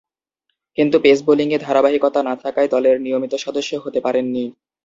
কিন্তু পেস বোলিংয়ে ধারাবাহিকতা না থাকায় দলের নিয়মিত সদস্য হতে পারেননি।